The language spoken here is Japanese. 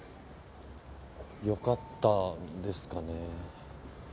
良かったんですかね？